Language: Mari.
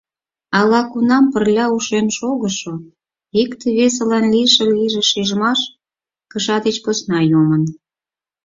Ала-кунам пырля ушен шогышо, икте-весылан лишыл лийме шижмаш кыша деч посна йомын.